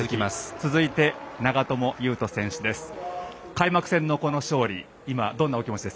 続いて、長友佑都選手です。